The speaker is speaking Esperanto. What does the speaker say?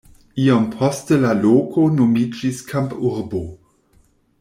Iom poste la loko nomiĝis kampurbo.